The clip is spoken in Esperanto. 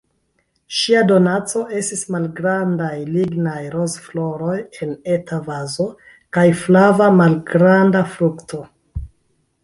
Ŝia donaco estis malgrandaj lignaj rozfloroj en eta vazo, kaj flava, malgranda frukto.